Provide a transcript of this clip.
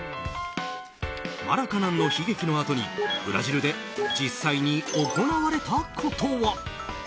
マラカナンの悲劇のあとにブラジルで実際に行われたことは。